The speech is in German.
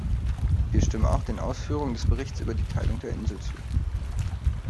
Wir stimmen auch den Ausführungen des Berichts über die Teilung der Insel zu.